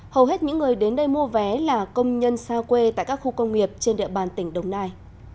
hầu hết những người đến đây mua vé là công nhân xa quê tại các khu công nghiệp trên địa bàn tỉnh đồng nai